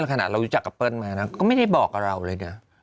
แต่ถ้าเราจับกับเปิ้ลมาก็ไม่ได้บอกเรายังไง